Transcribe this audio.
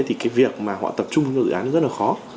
thì cái việc mà họ tập trung dự án rất là khó